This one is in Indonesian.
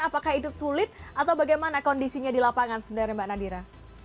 apakah itu sulit atau bagaimana kondisinya di lapangan sebenarnya mbak nadira